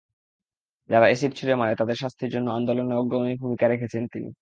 যারা অ্যাসিড ছুড়ে মারে তাদের শাস্তির জন্য আন্দোলনে অগ্রণী ভূমিকা রেখেছেন তিনি।